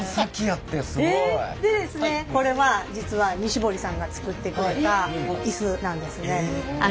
これは実は西堀さんが作ってくれたイスなんですね。